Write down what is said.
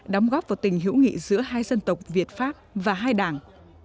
đóng góp vào tình hữu nghị giữa hai dân tộc việt pháp và hai đảng